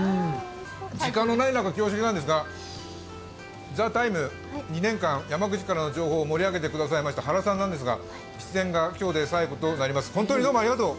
時間のない中、恐縮なんですが、「ＴＨＥＴＩＭＥ，」２年間、山口からの情報を盛り上げてくれました原さんですが出演が今日で最後となります、本当にありがとう。